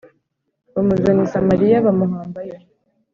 bamuzana i Samariya bamuhambayo